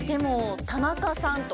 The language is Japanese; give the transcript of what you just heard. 田中さんとか。